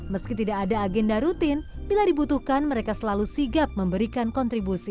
meski tidak ada agenda rutin bila dibutuhkan mereka selalu sigap memberikan kontribusi